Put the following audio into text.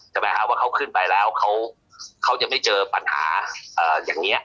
ว่าเขาขึ้นไปแล้วเขาจะไม่เจอปัญหาอย่างนี้